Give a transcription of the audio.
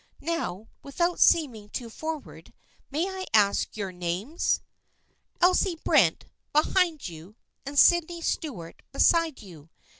Now, without seeming too forward, might I ask your names? "" Elsie Brent, behind you, and Sydney Stuart beside you.